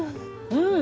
うん！